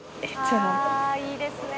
あっいいですね。